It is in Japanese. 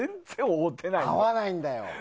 買わないんだよ。